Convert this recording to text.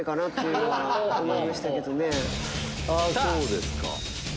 あそうですか。